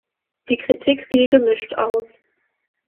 Die Kritik fiel gemischt aus.